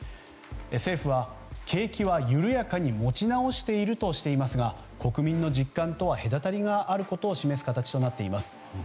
政府は景気は緩やかに持ち直しているとしていますが国民の実感とは隔たりがあることを示す形となっています。